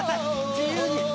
自由に。